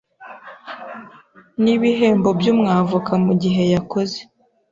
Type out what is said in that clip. n ibihembo by umwavoka mu gihe yakoze